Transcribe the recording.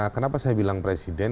kenapa saya bilang presiden